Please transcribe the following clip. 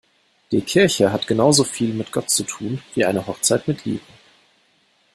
Die Kirche hat genauso viel mit Gott zu tun wie eine Hochzeit mit Liebe.